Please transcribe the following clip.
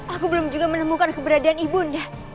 aku belum juga menemukan keberadaan ibu ndak